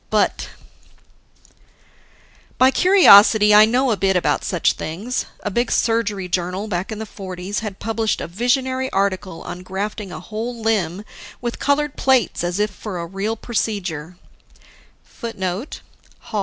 But By curiosity, I know a bit about such things. A big surgery journal, back in the '40s, had published a visionary article on grafting a whole limb, with colored plates as if for a real procedure[A].